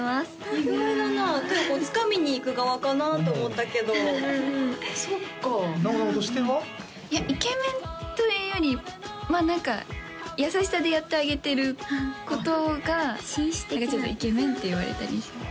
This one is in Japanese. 意外だな手をこうつかみにいく側かなと思ったけどそっかなおなおとしては？いやイケメンというよりまあ何か優しさでやってあげてることが何かちょっとイケメンって言われたりします